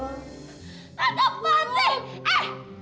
raka jangan bander dong